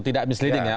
tidak misleading ya